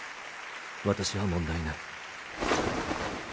私は問題ない。